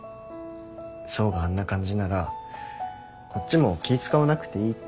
想があんな感じならこっちも気使わなくていいっていうか。